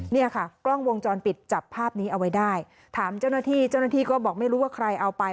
เนี่ยค่ะกล้องวงจรปิดจับภาพนี้เอาไว้ได้ถามเจ้าหน้าที่เจ้าหน้าที่ก็บอกไม่รู้ว่าใครเอาไป